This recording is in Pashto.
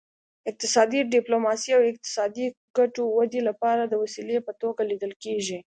اقتصادي ډیپلوماسي د اقتصادي ګټو ودې لپاره د وسیلې په توګه لیدل کیږي